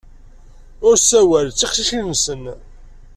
Ur ssawal ed teqcicin-nsen.